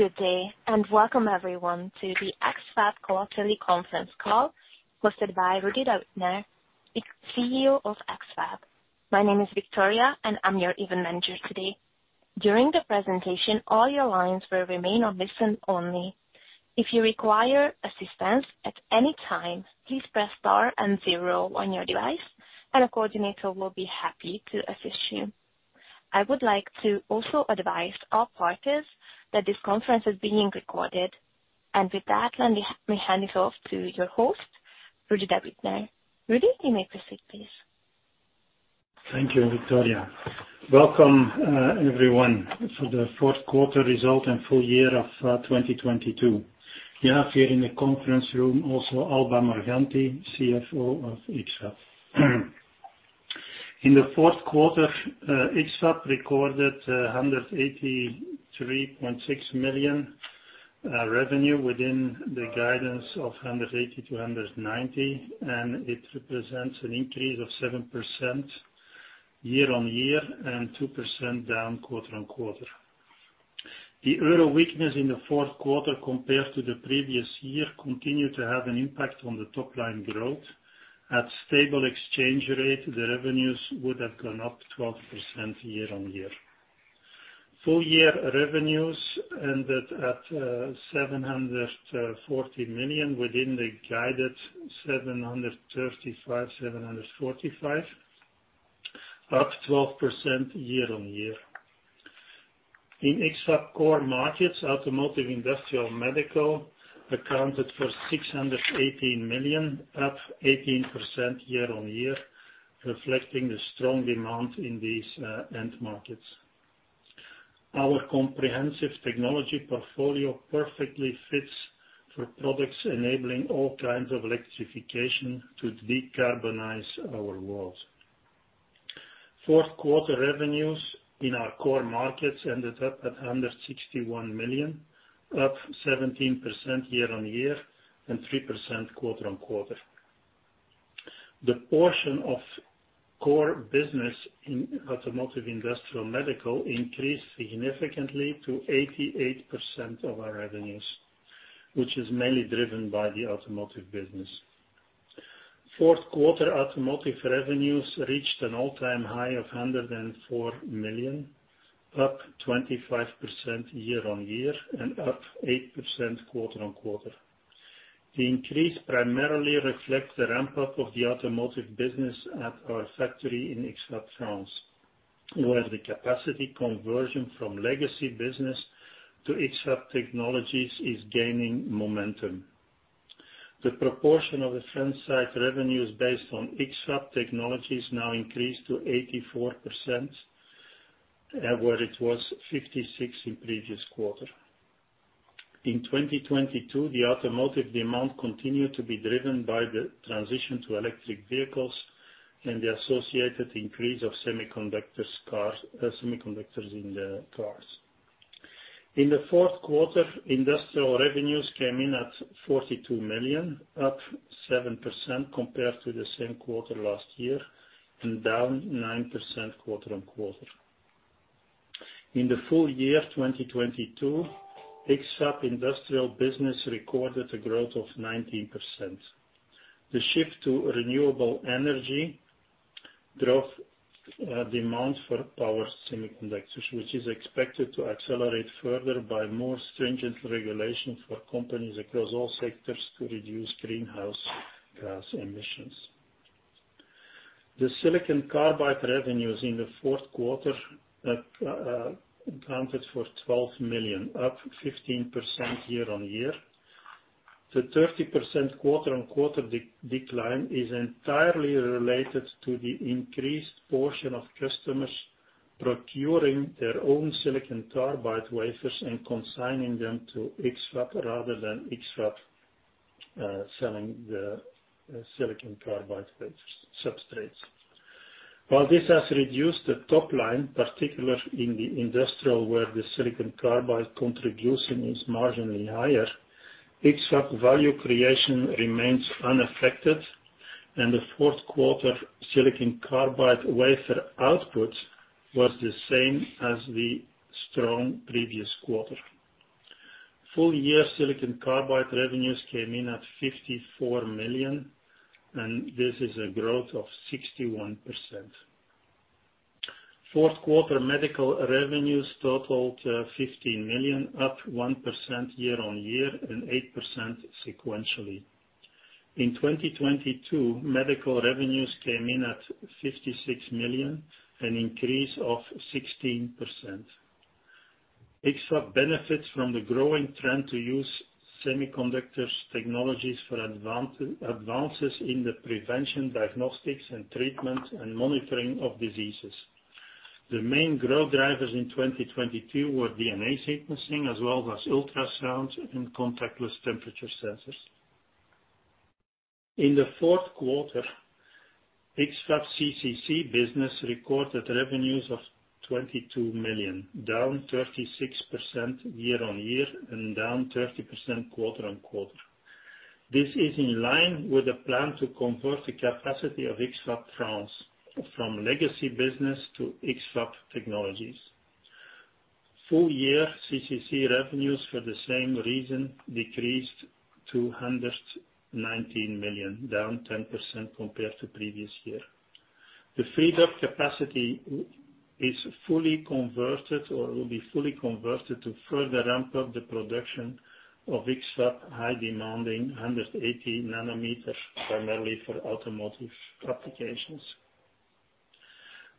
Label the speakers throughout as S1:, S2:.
S1: Good day, welcome everyone to the X-FAB quarterly conference call hosted by Rudi De Winter, the CEO of X-FAB. My name is Victoria, I'm your event manager today. During the presentation, all your lines will remain on listen-only. If you require assistance at any time, please press star and zero on your device and a coordinator will be happy to assist you. I would like to also advise all parties that this conference is being recorded. With that, let me hand it off to your host, Rudi De Winter. Rudi, you may proceed, please.
S2: Thank you, Victoria. Welcome, everyone, for the fourth quarter result and full year of 2022. We have here in the conference room also Alba Morganti, CFO of X-FAB. In the fourth quarter, X-FAB recorded 183.6 million revenue within the guidance of 180-190 million, and it represents an increase of 7% year-on-year and 2% down quarter-on-quarter. The Euro weakness in the fourth quarter compared to the previous year continued to have an impact on the top line growth. At stable exchange rate, the revenues would have gone up 12% year-on-year. Full year revenues ended at 740 million within the guided 735-745 million, up 12% year-on-year. In X-FAB Automotive, Industrial, Medical accounted for 618 million, up 18% year-on-year, reflecting the strong demand in these end markets. Our comprehensive technology portfolio perfectly fits for products enabling all kinds of electrification to decarbonize our world. Fourth quarter revenues in our core markets ended up at 161 million, up 17% year-on-year and 3% quarter-on-quarter. The portion of core Automotive, Industrial, Medical increased significantly to 88% of our revenues, which is mainly driven by the Automotive business. Fourth quarter Automotive revenues reached an all-time high of 104 million, up 25% year-on-year and up 8% quarter-on-quarter. The increase primarily reflects the ramp up of the Automotive business at our factory in X-FAB France, where the capacity conversion from legacy business to X-FAB technologies is gaining momentum. The proportion of the French site revenues based on X-FAB technologies now increased to 84%, where it was 56 in previous quarter. In 2022, the Automotive demand continued to be driven by the transition to electric vehicles and the associated increase of semiconductors cars, semiconductors in the cars. In the fourth quarter, Industrial revenues came in at $42 million, up 7% compared to the same quarter last year and down 9% quarter-on-quarter. In the full year 2022, X-FAB Industrial business recorded a growth of 19%. The shift to renewable energy drove demand for power semiconductors, which is expected to accelerate further by more stringent regulations for companies across all sectors to reduce greenhouse gas emissions. The Silicon Carbide revenues in the fourth quarter accounted for $12 million, up 15% year-on-year. The 30% quarter-on-quarter decline is entirely related to the increased portion of customers procuring their own Silicon Carbide wafers and consigning them to X-FAB rather than X-FAB selling the Silicon Carbide substrates. While this has reduced the top line, particularly in the Industrial where the Silicon Carbide contribution is marginally higher, X-FAB value creation remains unaffected, and the fourth quarter Silicon Carbide wafer output was the same as the strong previous quarter. Full year Silicon Carbide revenues came in at $54 million, and this is a growth of 61%. Fourth quarter Medical revenues totaled 15 million, up 1% year-on-year and 8% sequentially. In 2022, Medical revenues came in at 56 million, an increase of 16%. X-FAB benefits from the growing trend to use semiconductors technologies for advances in the prevention, diagnostics, and treatment and monitoring of diseases. The main growth drivers in 2022 were DNA sequencing as well as ultrasound and contactless temperature sensors. In the fourth quarter, X-FAB CCC business recorded revenues of 22 million, down 36% year-on-year and down 30% quarter-on-quarter. This is in line with the plan to convert the capacity of X-FAB France from legacy business to X-FAB technologies. Full year CCC revenues for the same reason decreased to 119 million, down 10% compared to previous year. The freed-up capacity is fully converted or will be fully converted to further ramp up the production of X-FAB high-demanding 180nm, primarily for Automotive applications.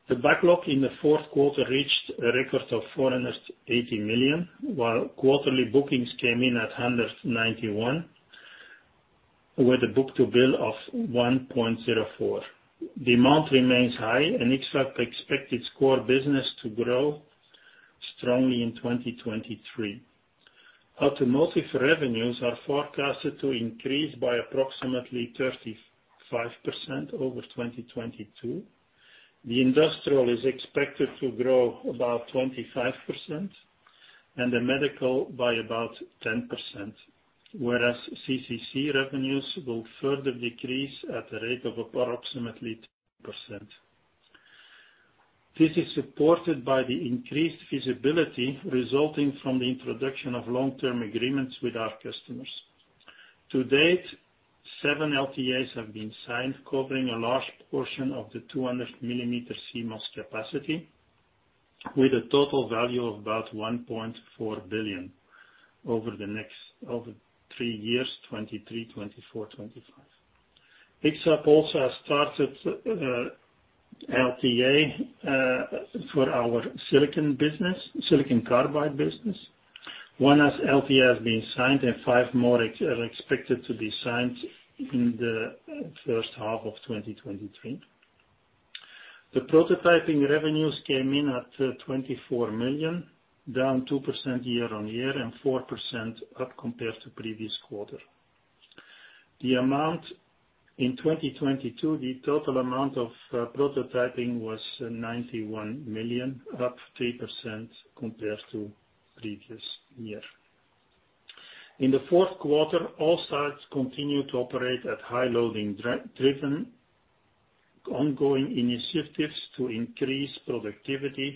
S2: The backlog in the fourth quarter reached a record of $480 million, while quarterly bookings came in at $191 million, with a book-to-bill of 1.04. Demand remains high. X-FAB expect its core business to grow strongly in 2023. Automotive revenues are forecasted to increase by approximately 35% over 2022. The Industrial is expected to grow about 25% and the Medical by about 10%. CCC revenues will further decrease at a rate of approximately 2%. This is supported by the increased visibility resulting from the introduction of Long-Term Agreements with our customers. To date, seven LTAs have been signed, covering a large portion of the 200mm CMOS capacity with a total value of about $1.4 billion over 3 years, 2023, 2024, 2025. X-FAB also has started LTA for our silicon business, Silicon Carbide business. One LTA has been signed and 5 more expected to be signed in the first half of 2023. The Prototyping revenues came in at $24 million, down 2% year-on-year and 4% up compared to previous quarter. The amount in 2022, the total amount of prototyping was $91 million, up 3% compared to previous year. In the fourth quarter, all sites continued to operate at high loading driven ongoing initiatives to increase productivity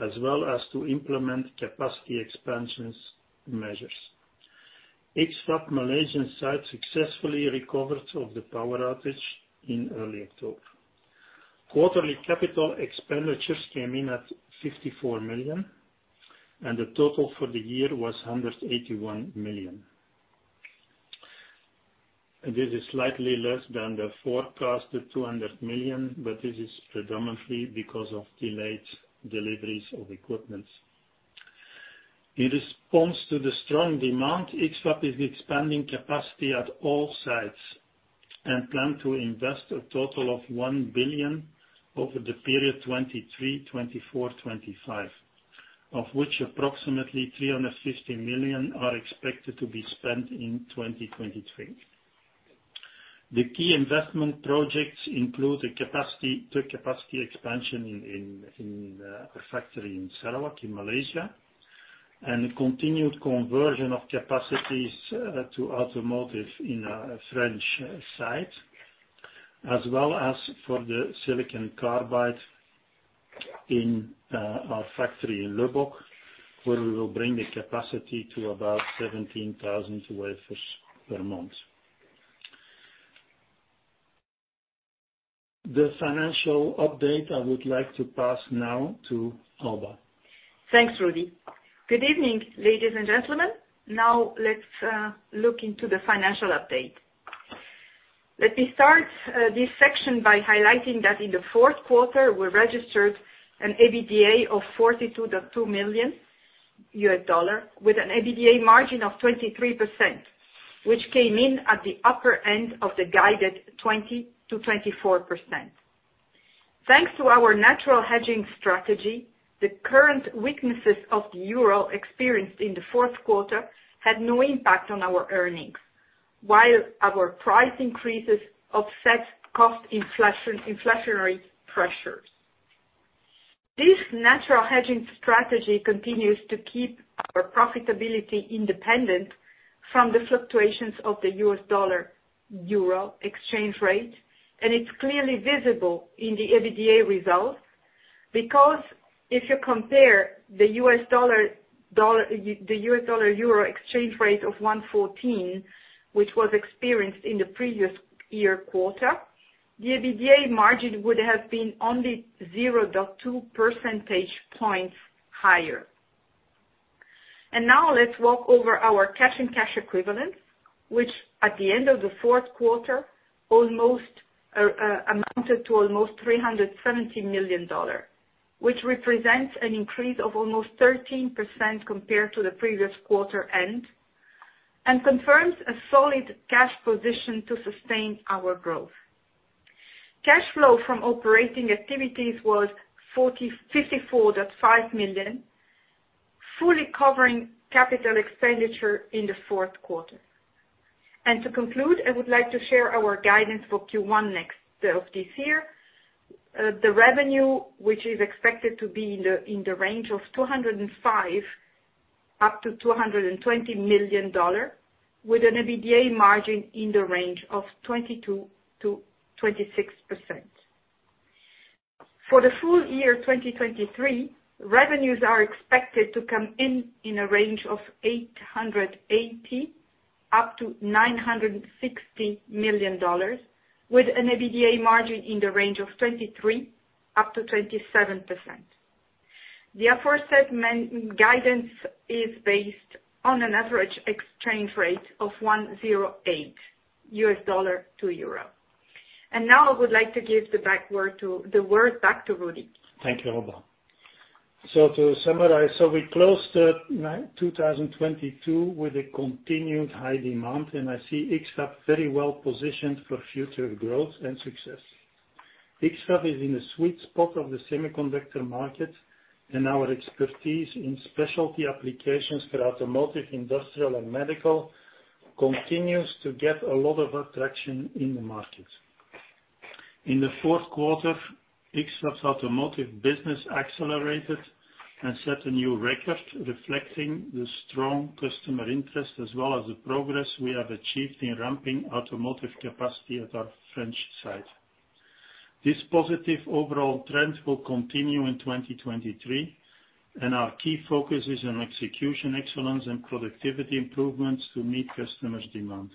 S2: as well as to implement capacity expansions measures. X-FAB Malaysian site successfully recovered of the power outage in early October. Quarterly Capital Expenditures came in at $54 million. The total for the year was $181 million. This is slightly less than the forecasted $200 million. This is predominantly because of delayed deliveries of equipment. In response to the strong demand, X-FAB is expanding capacity at all sites and plan to invest a total of $1 billion over the period 2023, 2024, 2025, of which approximately $350 million are expected to be spent in 2023. The key investment projects include the capacity expansion in a factory in Sarawak, in Malaysia, and a continued conversion of capacities to Automotive in a French site, as well as for the Silicon Carbide in our factory in Lubbock, where we will bring the capacity to about 17,000 wafers per month. The financial update I would like to pass now to Alba.
S3: Thanks, Rudi. Good evening, ladies and gentlemen. Now let's look into the financial update. Let me start this section by highlighting that in the fourth quarter, we registered an EBITDA of $42.2 million with an EBITDA margin of 23%, which came in at the upper end of the guided 20%-24%. Thanks to our natural hedging strategy, the current weaknesses of the Euro experienced in the fourth quarter had no impact on our earnings, while our price increases offset cost inflationary pressures. This natural hedging strategy continues to keep our profitability independent from the fluctuations of the US dollar/Euro exchange rate, and it's clearly visible in the EBITDA results, because if you compare the USD/Euro exchange rate of 1.14, which was experienced in the previous year quarter, the EBITDA margin would have been only 0.2 percentage points higher. Now let's walk over our cash and cash equivalents, which at the end of the fourth quarter almost amounted to almost $370 million, which represents an increase of almost 13% compared to the previous quarter end and confirms a solid cash position to sustain our growth. Cash flow from operating activities was $54.5 million, fully covering capital expenditure in the fourth quarter. I would like to share our guidance for Q1 next of this year. The revenue, which is expected to be in the range of $205 million up to $220 million with an EBITDA margin in the range of 22%-26%. For the full year 2023, revenues are expected to come in in a range of $880 million up to $960 million, with an EBITDA margin in the range of 23% up to 27%. The aforesaid guidance is based on an average exchange rate of 1.08 USD/EUR. Now I would like to give the word back to Rudi.
S2: Thank you, Alba. To summarize. We closed the 2022 with a continued high demand, and I see X-FAB very well positioned for future growth and success. X-FAB is in the sweet spot of the semiconductor market, our expertise in specialty applications for Automotive, Industrial and Medical continues to get a lot of attraction in the market. In the fourth quarter, X-FAB's Automotive business accelerated and set a new record reflecting the strong customer interest as well as the progress we have achieved in ramping Automotive capacity at our French site. This positive overall trend will continue in 2023, our key focus is on execution, excellence and productivity improvements to meet customers' demand.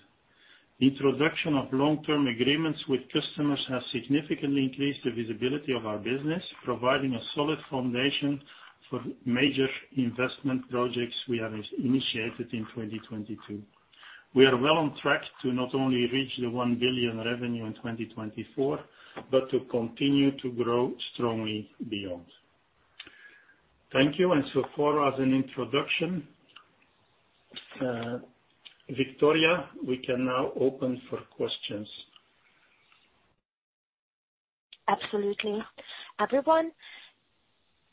S2: Introduction of Long-Term Agreements with customers has significantly increased the visibility of our business, providing a solid foundation for major investment projects we have initiated in 2022. We are well on track to not only reach the 1 billion revenue in 2024, but to continue to grow strongly beyond. Thank you. So far as an introduction, Victoria, we can now open for questions.
S1: Absolutely. Everyone,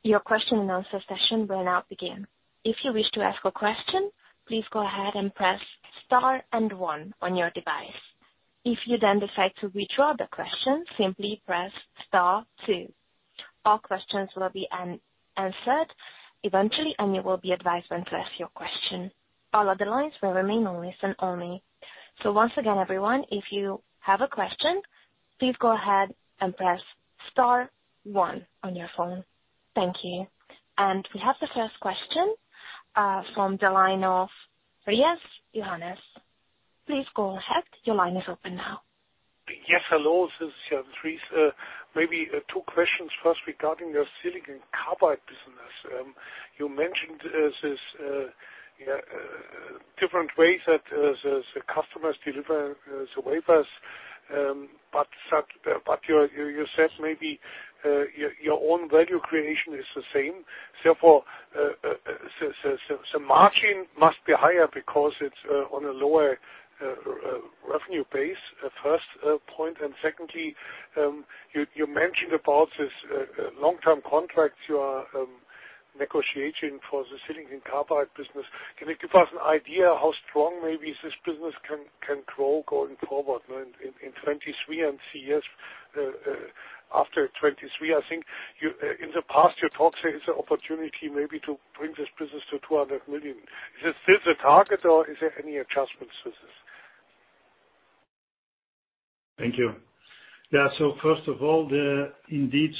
S1: your Question and Answer session will now begin. If you wish to ask a question, please go ahead and press star and One on your device. If you decide to withdraw the question, simply press star Two. All questions will be answered eventually, and you will be advised when to ask your question. All other lines will remain on listen-only. Once again, everyone, if you have a question, please go ahead and press star one on your phone. Thank you. We have the first question from the line of Johannes Riese. Please go ahead. Your line is open now.
S4: Yes, hello. This is Johannes Riese. Maybe two questions first regarding your Silicon Carbide business. You mentioned this different ways that the customers deliver the wafers, but you said maybe your own value creation is the same. Therefore, so the margin must be higher because it's on a lower revenue base, first point. Secondly, you mentioned about this long-term contracts you are negotiating for the Silicon Carbide business. Can you give us an idea how strong maybe this business can grow going forward in 2023 and years after 2023? I think in the past, you talked there is an opportunity maybe to bring this business to $200 million. Is it still the target or is there any adjustments to this?
S2: Thank you. Yeah. First of all, indeed,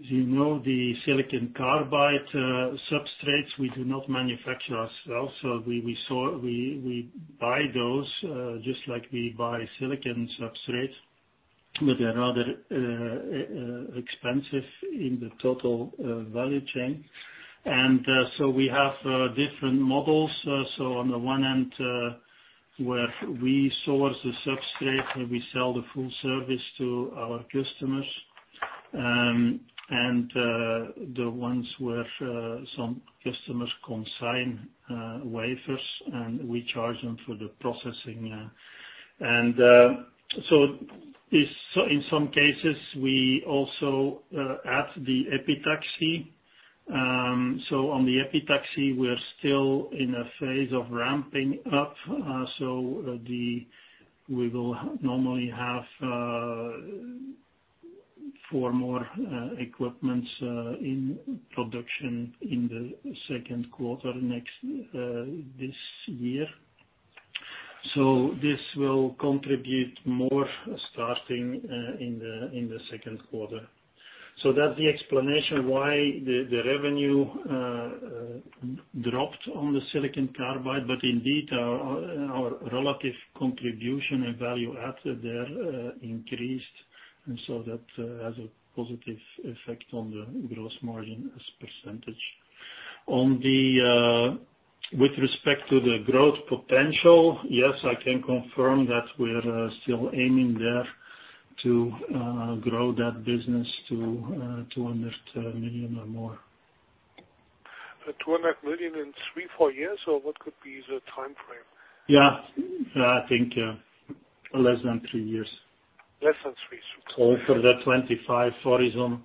S2: as you know, the Silicon Carbide substrates we do not manufacture ourselves, so we buy those, just like we buy silicon substrates, but they are rather expensive in the total value chain. We have different models. On the one hand, where we source the substrate and we sell the full service to our customers, and the ones where some customers consign wafers, and we charge them for the processing. In some cases we also add the epitaxy. On the epitaxy, we're still in a phase of ramping up. We will normally have four more equipments in production in the second quarter this year. This will contribute more starting in the second quarter. That's the explanation why the revenue dropped on the Silicon Carbide. Indeed our relative contribution and value add there increased, and so that has a positive effect on the gross margin as percentage. On the with respect to the growth potential, yes, I can confirm that we're still aiming there to grow that business to $200 million or more.
S4: $200 million in three, four years, or what could be the timeframe?
S2: Yeah. Yeah, I think, yeah, less than three years.
S4: Less than three.
S2: For the 2025 horizon,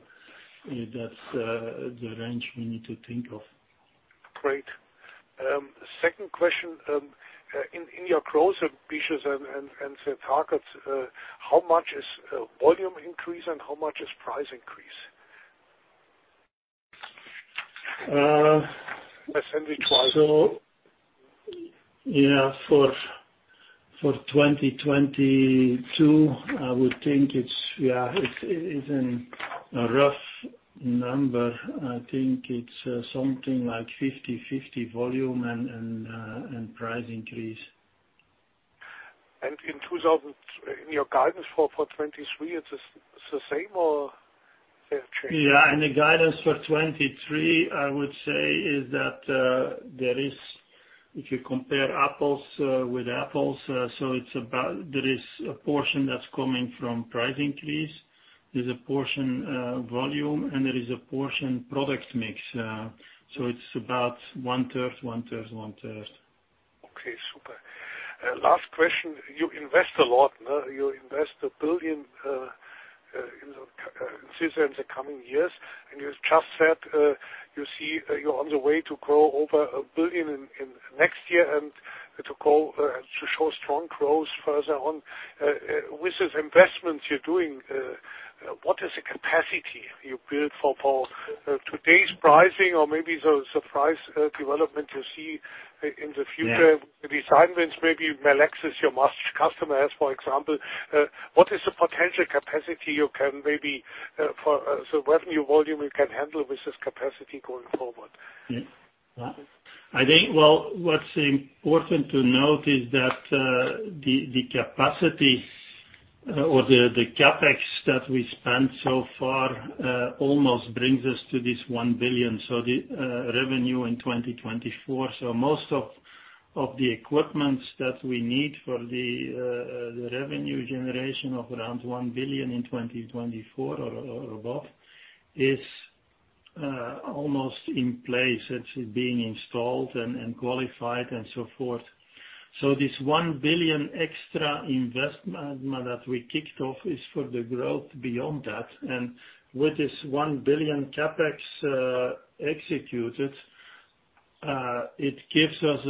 S2: that's the range we need to think of.
S4: Great. Second question, in your growth ambitions and the targets, how much is volume increase and how much is price increase?
S2: Uh.
S4: Assembly twice.
S2: Yeah, for 2022, I would think it is in a rough number. I think it's something like 50/50 volume and price increase.
S4: In your guidance for 2023, it's the same, or they have changed?
S2: Yeah. The guidance for 2023, I would say is that, If you compare apples with apples, there is a portion that's coming from price increase, there's a portion volume, and there is a portion product mix. It's about one-third, one-third, one-third.
S4: Okay. Super. Last question. You invest a lot, no? You invest $1 billion in the systems the coming years, and you just said, you see, you're on the way to grow over $1 billion in next year and to grow to show strong growth further on. With this investment you're doing, what is the capacity you build for today's pricing or maybe the surprise development you see in the future?
S2: Yeah.
S4: The assignments, maybe Melexis is your customer, as for example. What is the potential capacity you can maybe, for, the revenue volume you can handle with this capacity going forward?
S2: Yeah. I think, well, what's important to note is that the capacity or the CapEx that we spent so far almost brings us to this $1 billion. The revenue in 2024. Most of the equipments that we need for the revenue generation of around $1 billion in 2024 or above is almost in place. It's being installed and qualified and so forth. This $1 billion extra investment that we kicked off is for the growth beyond that. With this $1 billion CapEx executed, it gives us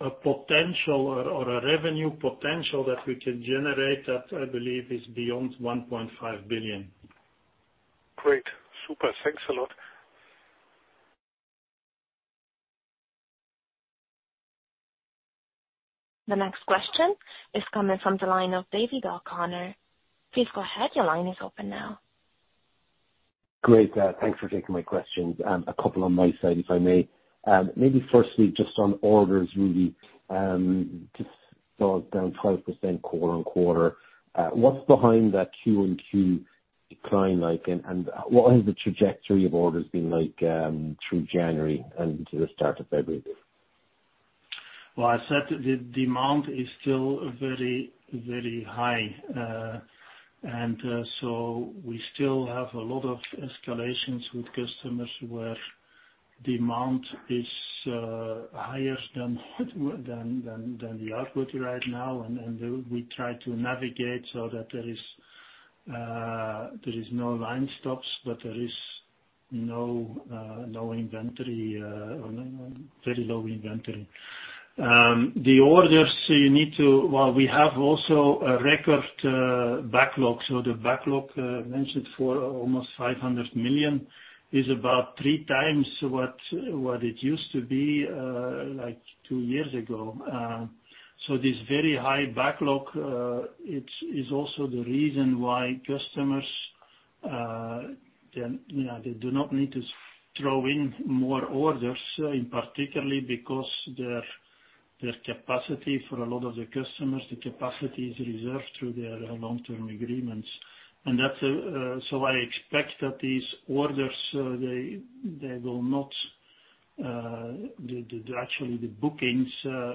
S2: a potential or a revenue potential that we can generate that I believe is beyond $1.5 billion.
S4: Great. Super. Thanks a lot.
S1: The next question is coming from the line of David O'Connor. Please go ahead. Your line is open now.
S5: Great. Thanks for taking my questions. A couple on my side, if I may. Maybe firstly just on orders really, just saw it down 12% quarter-on-quarter. What's behind that Q and Q decline like and what has the trajectory of orders been like through January and to the start of February?
S2: Well, I said the demand is still very, very high. We still have a lot of escalations with customers where demand is higher than the output right now. We try to navigate so that there is no line stops, but there is no inventory, or very low inventory. Well, we have also a record backlog. The backlog mentioned for almost $500 million is about three times what it used to be like two years ago. This very high backlog, it is also the reason why customers, you know, they do not need to throw in more orders, particularly because their capacity for a lot of the customers, the capacity is reserved through their Long-Term Agreements. That is so I expect that these orders, they will not, actually the bookings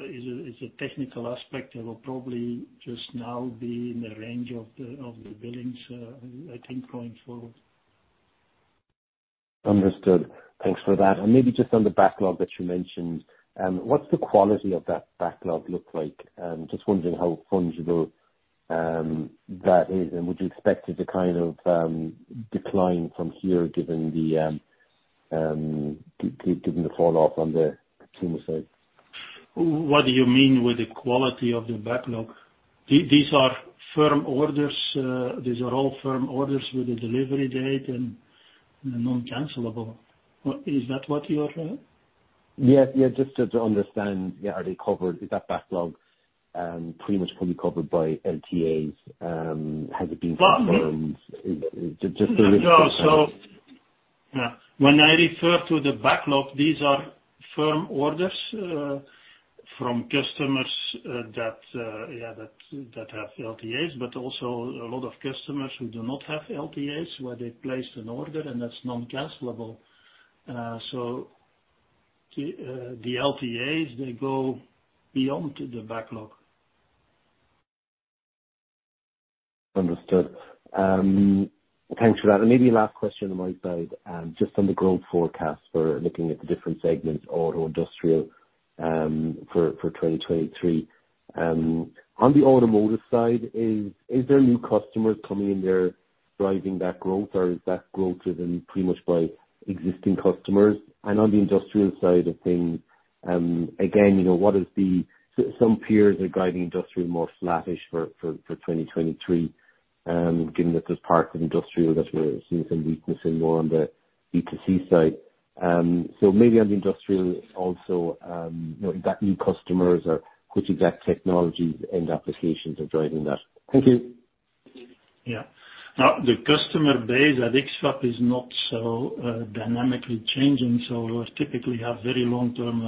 S2: is a technical aspect that will probably just now be in the range of the billings, I think going forward.
S5: Understood. Thanks for that. Maybe just on the backlog that you mentioned, what's the quality of that backlog look like? Just wondering how fungible that is, and would you expect it to kind of decline from here, given the fall off on the consumer side?
S2: What do you mean with the quality of the backlog? These are firm orders. These are all firm orders with a delivery date and non-cancelable. Is that what you're?
S5: Yeah. Just to understand, are they covered? Is that backlog, pretty much fully covered by LTAs? Has it been confirmed?
S2: Well.
S5: Is just to-
S2: No.
S5: Yeah.
S2: When I refer to the backlog, these are firm orders, from customers, that, yeah, that have LTAs, but also a lot of customers who do not have LTAs, where they placed an order and that's non-cancelable. The LTAs, they go beyond the backlog.
S5: Understood. Thanks for that. Maybe last question on my side, just on the growth forecast for looking at the different segments, auto, Industrial. For 2023, on the Automotive side, is there new customers coming in there driving that growth or is that growth driven pretty much by existing customers? On the Indu trial side of things, again, you know, what is the. Some peers are guiding more flattish for 2023, given that there's parts of that we're seeing some weakness and more on the B2C side. Maybe on the also, you know, is that new customers or which exact technologies and applications are driving that? Thank you.
S2: Yeah. The customer base at X-FAB is not so dynamically changing, so we typically have very long-term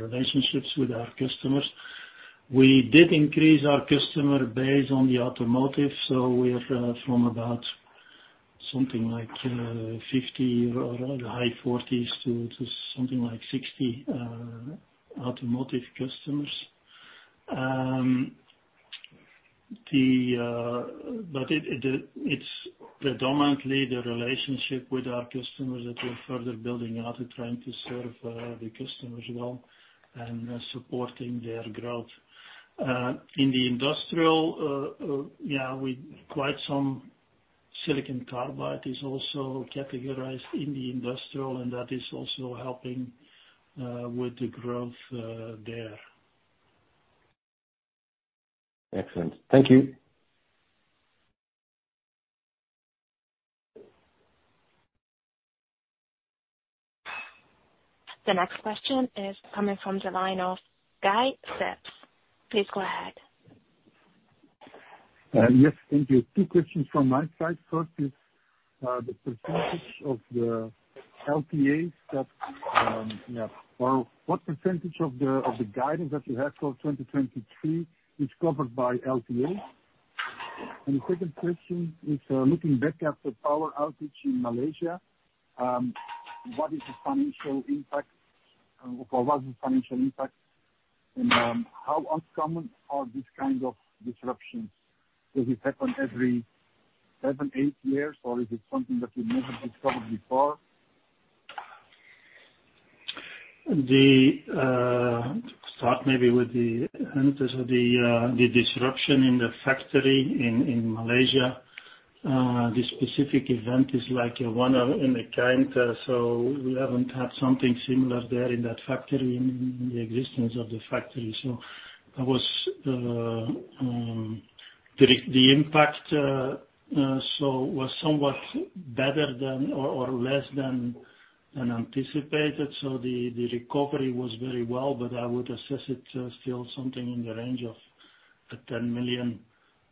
S2: relationships with our customers. We did increase our customer base on the Automotive, so we're from about something like 50 or the high 40s to something like 60 Automotive customers. It's predominantly the relationship with our customers that we're further building out and trying to serve the customers well and supporting their growth. In the Industrial, yeah, we quite some Silicon Carbide is also categorized in the Industrial, and that is also helping with the growth there.
S5: Excellent. Thank you.
S1: The next question is coming from the line of Guy Sips. Please go ahead.
S6: Yes, thank you. Two questions from my side. First is, what percentage of the guidance that you have for 2023 is covered by LTA? The second question is, looking back at the power outage in Malaysia, what is the financial impact, or was the financial impact, and how uncommon are these kinds of disruptions? Does it happen every 7, 8 years, or is it something that we never discovered before?
S2: The start maybe with the disruption in the factory in Malaysia. This specific event is like a one-of-a-kind, we haven't had something similar there in that factory, in the existence of the factory. That was the impact was somewhat better than or less than anticipated. The recovery was very well, but I would assess it still something in the range of a $10 million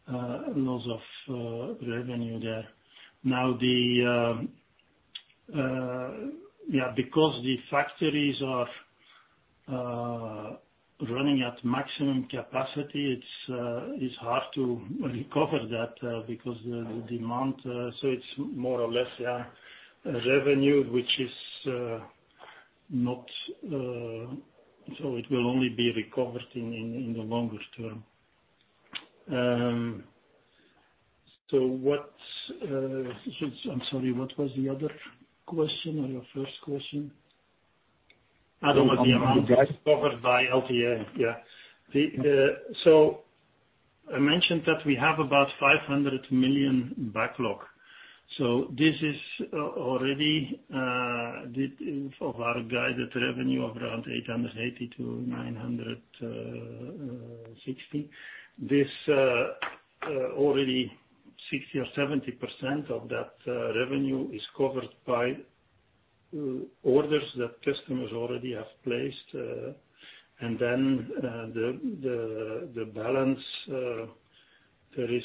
S2: loss of revenue there. Now the yeah, because the factories are running at maximum capacity, it's hard to recover that because the demand, it's more or less, yeah, a revenue which is not, it will only be recovered in the longer term. What since... I'm sorry, what was the other question or your first question?
S6: What was the amount covered by LTA? Yeah.
S2: I mentioned that we have about $500 million backlog. This is already of our guided revenue of around $880 million-$960 million. This already 60% or 70% of that revenue is covered by orders that customers already have placed, and then the balance there is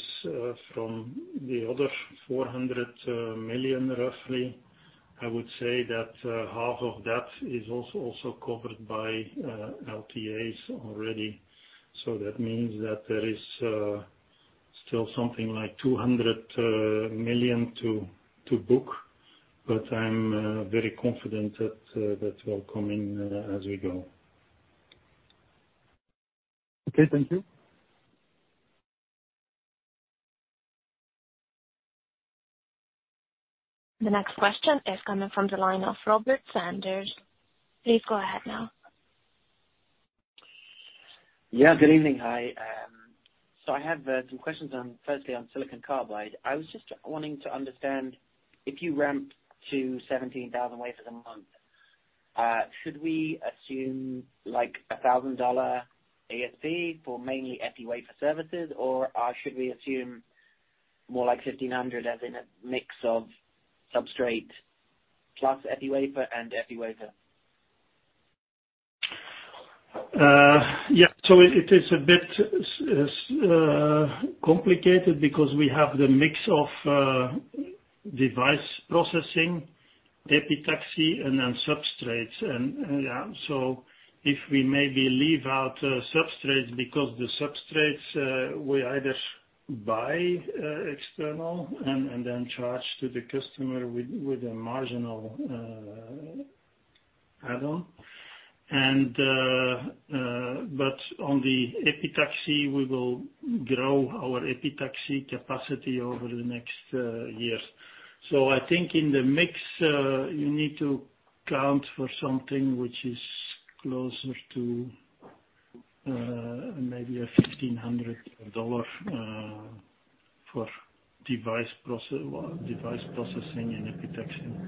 S2: from the other $400 million roughly. I would say that half of that is also covered by LTAs already. That means that there is still something like $200 million to book, but I'm very confident that that will come in as we go.
S6: Okay. Thank you.
S1: The next question is coming from the line of Robert Sanders. Please go ahead now.
S7: Yeah. Good evening. Hi. I have some questions on firstly on Silicon Carbide. I was just wanting to understand if you ramped to 17,000 wafers a month, should we assume like a $1,000 ASP for mainly epi-wafer services, or, should we assume more like $1,500 as in a mix of substrate plus epi-wafer and epi-wafer?
S2: Yeah. It is a bit complicated because we have the mix of device processing, epitaxy, and then substrates. Yeah. If we maybe leave out substrates, because the substrates we either buy external and then charge to the customer with a marginal add-on. On the epitaxy, we will grow our epitaxy capacity over the next years. I think in the mix, you need to count for something which is closer to maybe a $1,500 for device processing and protection.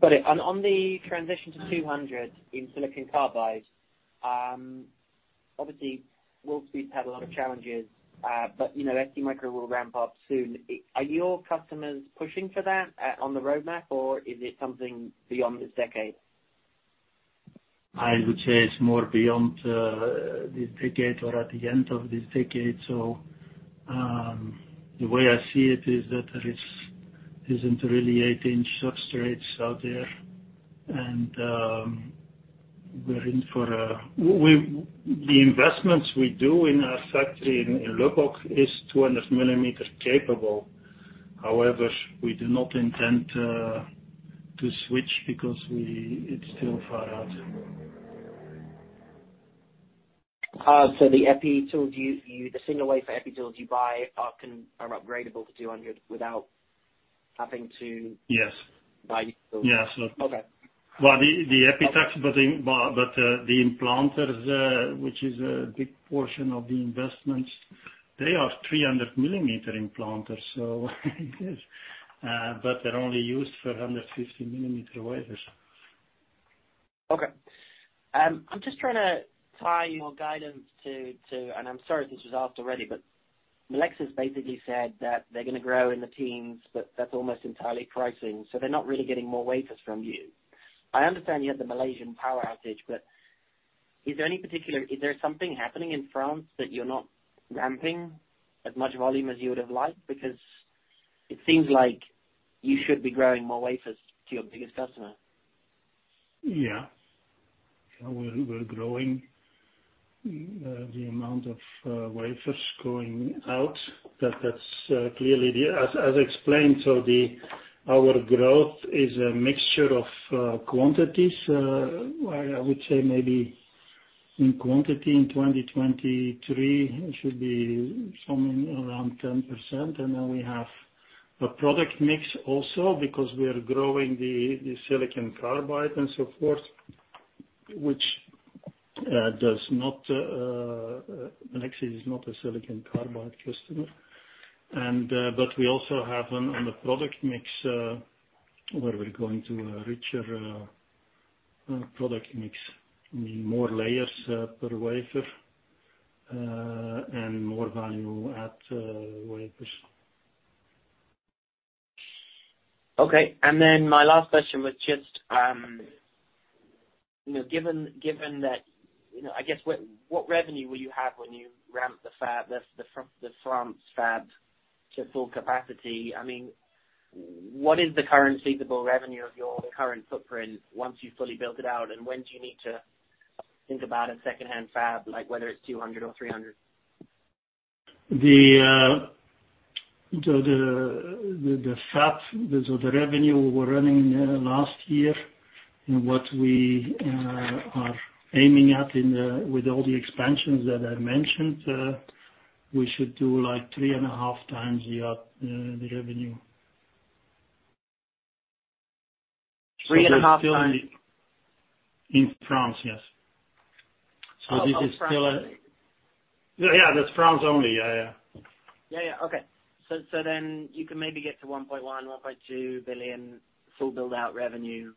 S7: Got it. On the transition to 200mm in Silicon Carbide, obviously Wolfspeed had a lot of challenges, but, you know, STMicroelectronics will ramp up soon. Are your customers pushing for that, on the roadmap, or is it something beyond this decade?
S2: I would say it's more beyond this decade or at the end of this decade. The way I see it is that there isn't really 8-inch substrates out there and the investments we do in our factory in Corbeil-Essonnes is 200mm capable. However, we do not intend to switch because it's still far out.
S7: The single way for epi tools you buy are upgradable to 200mm without having to.
S2: Yes.
S7: buy new tools.
S2: Yes.
S7: Okay.
S2: The implanters, which is a big portion of the investments, they are 300mm implanters. But they're only used for 150mm wafers.
S7: Okay. I'm just trying to tie your guidance to. I'm sorry if this was asked already, but Melexis basically said that they're gonna grow in the teens, but that's almost entirely pricing, so they're not really getting more wafers from you. I understand you had the Malaysian power outage, but is there something happening in France that you're not ramping as much volume as you would've liked? It seems like you should be growing more wafers to your biggest customer.
S2: Yeah. We're growing the amount of wafers going out, but that's clearly. As explained, our growth is a mixture of quantities. I would say maybe in quantity in 2023, it should be somewhere around 10%. We have a product mix also because we are growing the Silicon Carbide and so forth, which does not. Melexis is not a Silicon Carbide customer. We also have on the product mix where we're going to a richer product mix. I mean, more layers per wafer and more value at wafers.
S7: Okay. My last question was just, you know, given that, you know, I guess what revenue will you have when you ramp the fab, the France fab to full capacity? I mean, what is the current feasible revenue of your current footprint once you've fully built it out? When do you need to think about a secondhand fab, like whether it's 200 or 300?
S2: The fab, so the revenue we were running last year and what we are aiming at in the with all the expansions that I mentioned, we should do, like, 3.5 times the revenue.
S7: Three and a half times-
S2: In France, yes.
S7: Of France only.
S2: This is still a... Yeah, yeah, that's France only. Yeah, yeah.
S7: Yeah, yeah. Okay. You can maybe get to 1.1 billion-1.2 billion full build out revenue.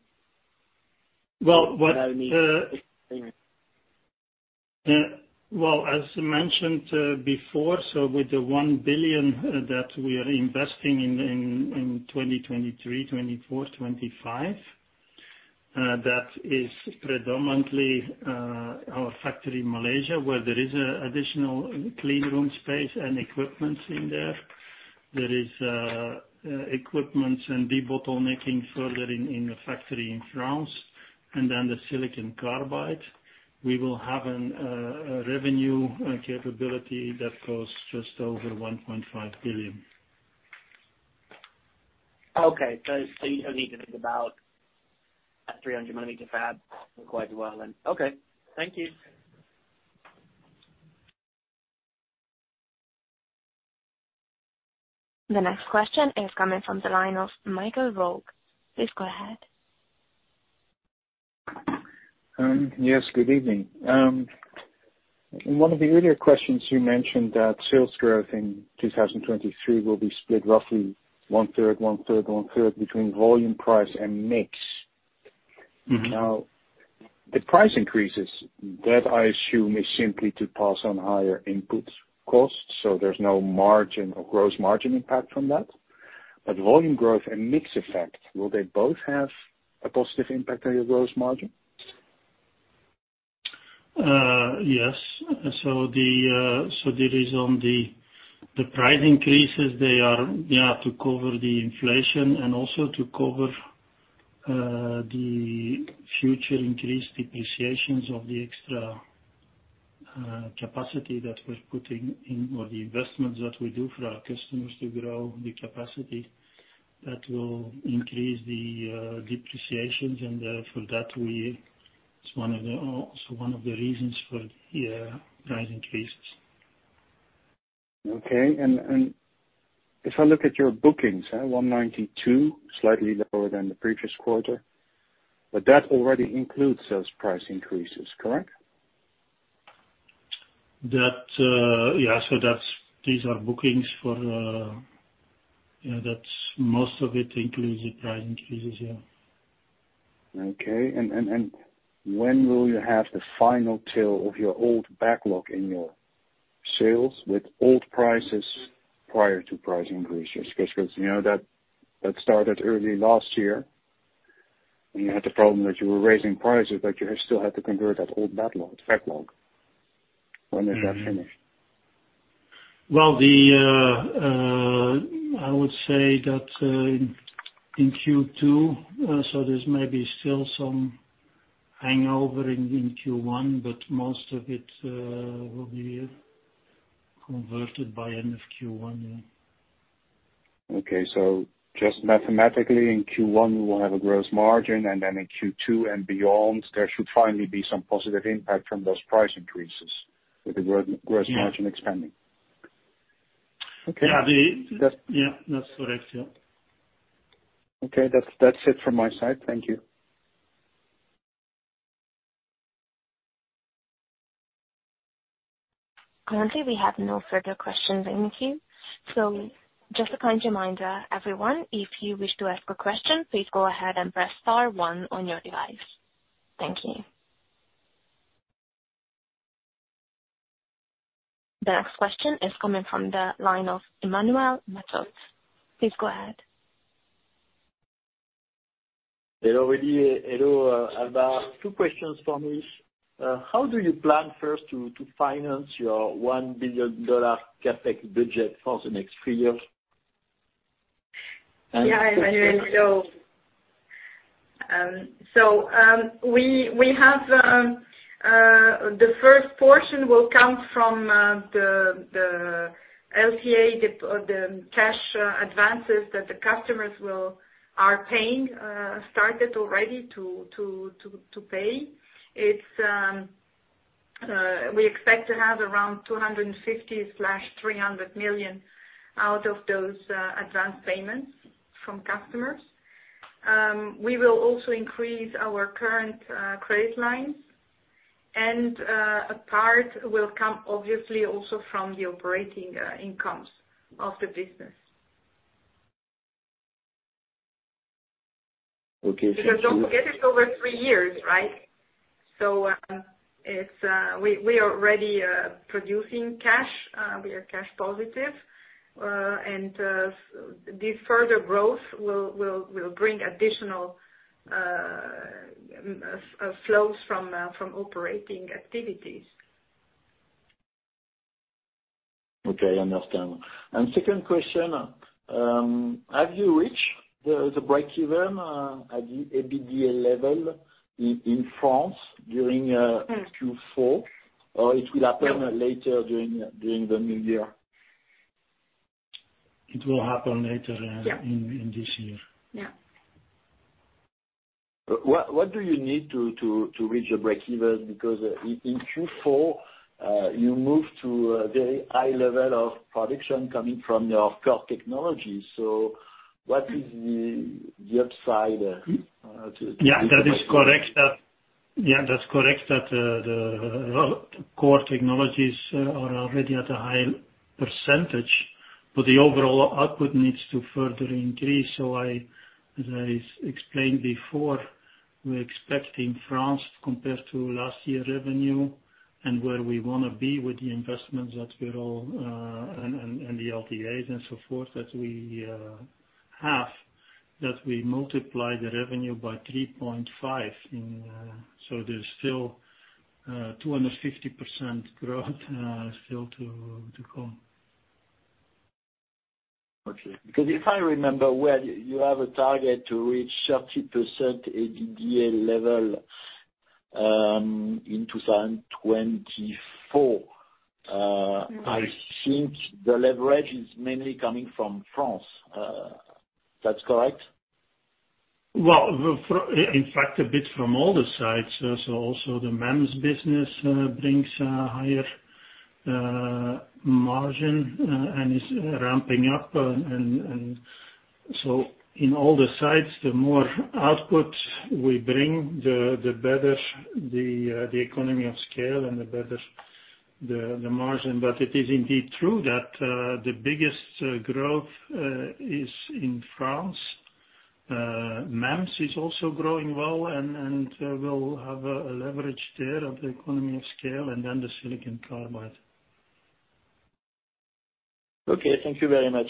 S2: As mentioned, before, with the $1 billion that we are investing in 2023, 2024, 2025, that is predominantly our factory in Malaysia, where there is additional clean room space and equipments in there. There is equipments and debottlenecking further in the factory in France and then the Silicon Carbide. We will have a revenue capability that goes just over $1.5 billion.
S7: Okay. you don't need to think about a 300mm fab for quite a while then. Okay. Thank you.
S1: The next question is coming from the line of Michael Roeg. Please go ahead.
S8: Yes, good evening. In one of the earlier questions, you mentioned that sales growth in 2023 will be split roughly one third, one third, one third between volume, price, and mix.
S2: Mm-hmm.
S8: The price increases, that I assume is simply to pass on higher input costs, so there's no margin or gross margin impact from that. Volume growth and mix effect, will they both have a positive impact on your gross margin?
S2: Yes. The price increases, they are to cover the inflation and also to cover the future increased depreciations of the extra capacity that we're putting in or the investments that we do for our customers to grow the capacity. That will increase the depreciations, and it's also one of the reasons for the price increases.
S8: Okay. If I look at your bookings, 192, slightly lower than the previous quarter, but that already includes those price increases, correct?
S2: That, yeah, so these are bookings for, you know, that's most of it includes the price increases, yeah.
S8: Okay. And, and, when will you have the final tail of your old backlog in your sales with old prices prior to price increases? 'Cause, you know, that started early last year, and you still had to convert that old backlog. When is that finished?
S2: Well, I would say that, in Q2, there's maybe still some hangover in Q1, but most of it will be converted by end of Q1, yeah.
S8: Okay. Just mathematically, in Q1, we'll have a gross margin, and then in Q2 and beyond, there should finally be some positive impact from those price increases with the gross margin expanding.
S2: Yeah.
S8: Okay.
S2: Yeah, the-
S8: That's-
S2: Yeah, that's correct. Yeah.
S8: Okay. That's it from my side. Thank you.
S1: Currently, we have no further questions in the queue. Just a kind reminder, everyone, if you wish to ask a question, please go ahead and press star one on your device. Thank you. The next question is coming from the line of Emmanuel Matot. Please go ahead.
S9: Hello, Willy. Hello, Alba. Two questions from me. How do you plan first to finance your $1 billion CapEx budget for the next three years?
S3: Emmanuel. Hello. We have the first portion will come from the LCA or the cash advances that the customers are paying, started already to pay. It's, we expect to have around $250 million-$300 million out of those advanced payments from customers. We will also increase our current credit lines, a part will come obviously also from the operating incomes of the business.
S9: Okay.
S3: Don't forget it's over three years, right? It's, we are already producing cash. We are cash positive. The further growth will bring additional flows from operating activities.
S9: Okay. Understand. Second question, have you reached the break-even at the EBITDA level in France during Q4?
S3: Mm-hmm.
S9: It will happen later during the new year?
S2: It will happen later.
S3: Yeah
S2: in this year.
S3: Yeah.
S9: What do you need to reach your breakevens? In Q4, you moved to a very high level of production coming from your core technology. What is the upside to.
S2: Yeah, that is correct. Yeah, that's correct. That the core technologies are already at a high percentage, but the overall output needs to further increase. I, as I explained before, we expect in France compared to last year revenue and where we wanna be with the investments that will and the LTAs and so forth that we have, that we multiply the revenue by 3.5 in. There's still 200% growth still to come.
S9: Okay. If I remember well, you have a target to reach 30% EBITDA level in 2024.
S3: Mm-hmm.
S9: I think the leverage is mainly coming from France. That's correct?
S2: Well, in fact, a bit from all the sides. Also the MEMS business brings a higher margin and is ramping up. In all the sides, the more output we bring, the better the economy of scale and the better the margin. It is indeed true that the biggest growth is in France. MEMS is also growing well and we'll have a leverage there of the economy of scale and then the Silicon Carbide.
S9: Okay. Thank you very much.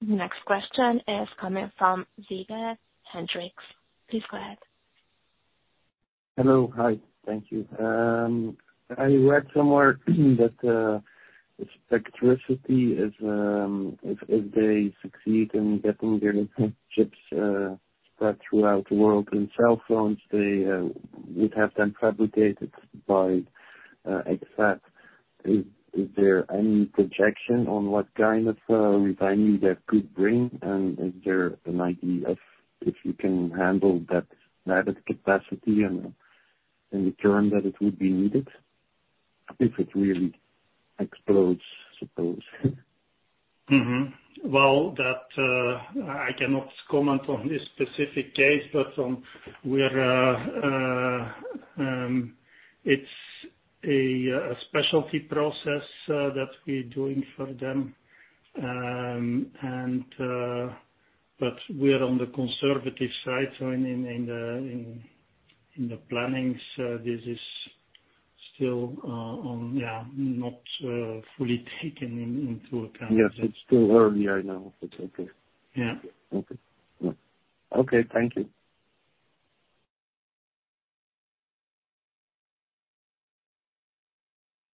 S1: The next question is coming from Veerle Hendrickx. Please go ahead.
S10: Hello. Hi. Thank you. I read somewhere that electricity is, if they succeed in getting their chips spread throughout the world in cell phones, they would have them fabricated by X-FAB.
S11: Is there any projection on what kind of revenue that could bring? Is there an idea of if you can handle that added capacity and in the term that it would be needed if it really explodes, suppose?
S2: Well, that, I cannot comment on this specific case, but, we are, it's a specialty process that we're doing for them. We are on the conservative side. In the plannings, this is still not fully taken into account.
S11: Yes, it's too early right now. It's okay.
S2: Yeah.
S11: Okay. Yeah. Okay. Thank you.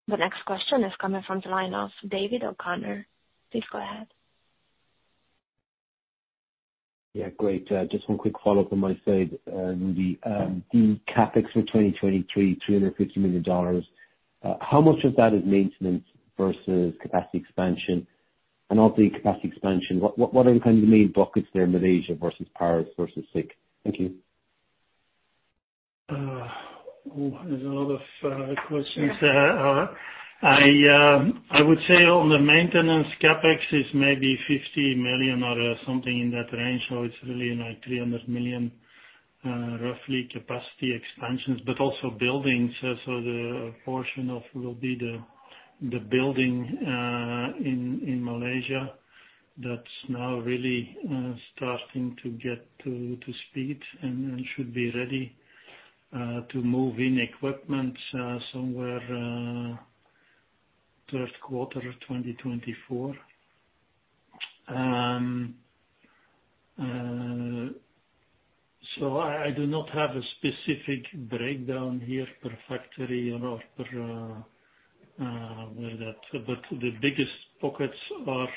S1: The next question is coming from the line of David O'Connor. Please go ahead.
S5: Yeah. Great. Just one quick follow-up on my side. The CapEx for 2023, $350 million, how much of that is maintenance versus capacity expansion? Of the capacity expansion, what are the kind of the main buckets there, Malaysia versus Paris versus SiC? Thank you.
S2: Ooh, there's a lot of questions there. I would say on the maintenance CapEx is maybe 50 million or something in that range. It's really like 300 million roughly capacity expansions, but also buildings. The portion of will be the building in Malaysia that's now really starting to get to speed and should be ready to move in equipment somewhere third quarter of 2024. I do not have a specific breakdown here per factory or per like that. The biggest pockets are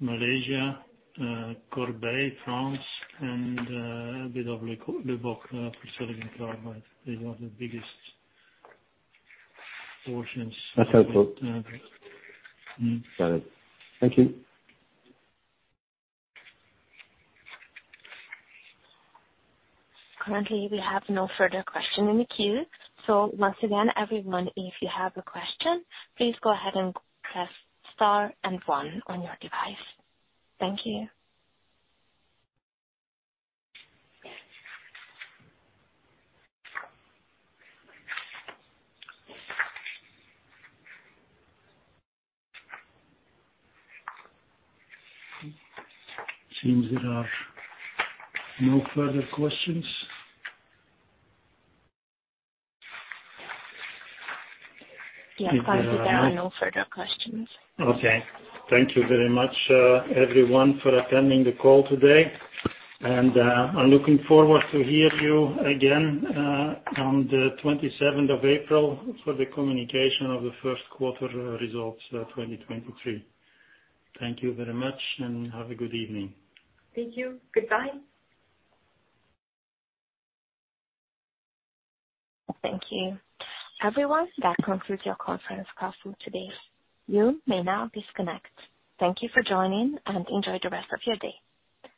S2: Malaysia, Corbeil, France, and a bit of Lubbock for Silicon Carbide. These are the biggest portions.
S5: That's helpful.
S2: mm-hmm.
S5: Got it. Thank you.
S1: Currently, we have no further question in the queue. Once again, everyone, if you have a question, please go ahead and press star and one on your device. Thank you.
S2: Seems there are no further questions.
S1: Yeah.
S2: If there are-
S1: Confirm there are no further questions.
S2: Okay. Thank you very much, everyone for attending the call today, and, I'm looking forward to hear you again, on the 27th of April for the communication of the first quarter results, 2023. Thank you very much and have a good evening.
S3: Thank you. Goodbye.
S1: Thank you. Everyone, that concludes your conference call for today. You may now disconnect. Thank you for joining. Enjoy the rest of your day.